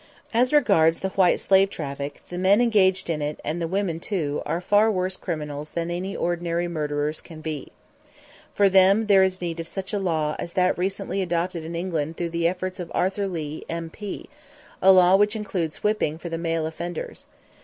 As regards the white slave traffic, the men engaged in it, and the women too, are far worse criminals than any ordinary murderers can be. For them there is need of such a law as that recently adopted in England through the efforts of Arthur Lee, M.P., a law which includes whipping for the male offenders.